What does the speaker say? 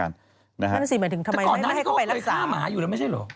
นั่นสิหมายถึงทำไมไม่ให้เขาไปรักษาแต่ก่อนนั้นก็ไปฆ่าหมาอยู่แล้วไม่ใช่เหรอ